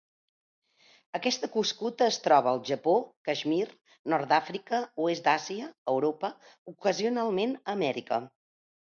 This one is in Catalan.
Aquesta cuscuta es troba al Japó, Caixmir, Nord d'Àfrica, oest d'Àsia, Europa, ocasionalment a Amèrica.